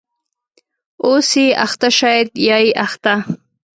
.اوسې اخته شاید یا یې اخته